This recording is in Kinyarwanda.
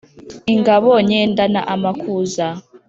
Ingabo nyendana amakuza